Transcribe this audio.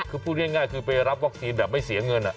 คือพูดง่ายคือไปรับวัคซีนแบบไม่เสียเงิน